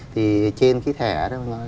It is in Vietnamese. thì trên cái thẻ đó